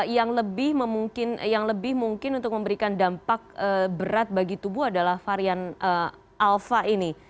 yang lebih mungkin untuk memberikan dampak berat bagi tubuh adalah varian alpha ini